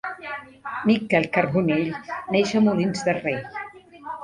Miquel Carbonell neix a Molins de Rei.